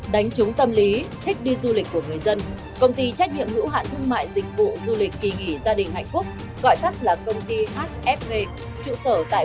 đánh trúng tâm lý thích đi du lịch của người dân